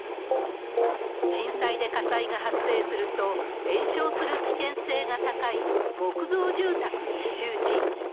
震災で火災が発生すると、延焼する危険性が高い木造住宅密集地域。